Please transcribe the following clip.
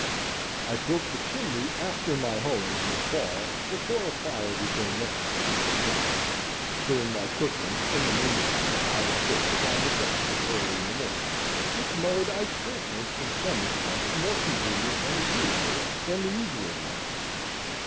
I built the chimney after my hoeing in the fall, before a fire became necessary for warmth, doing my cooking in the mean while out of doors on the ground, early in the morning: which mode I still think is in some respects more convenient and agreeable than the usual one.